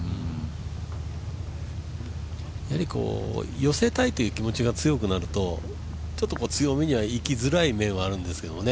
寄せたいという気持ちが強くなると強めにはいきづらい面もあるんですがね。